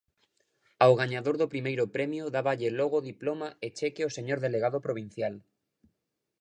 Ao gañador do primeiro premio dáballe logo diploma e cheque o señor delegado provincial.